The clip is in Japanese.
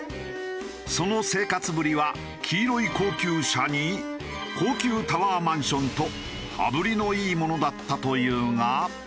その生活ぶりは黄色い高級車に高級タワーマンションと羽振りのいいものだったというが。